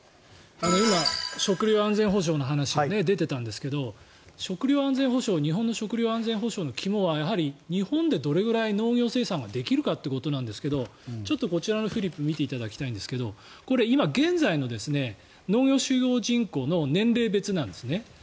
今、食料安全保障の話が出ていたんですが日本の食料安全保障の肝はやはり日本でどれぐらい農業生産ができるかということなんですがこちらのフリップを見ていただきたいんですがこれ、今現在の農業就農人口の年齢別なんですね。